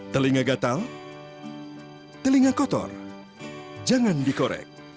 telinga gatal telinga kotor jangan dikorek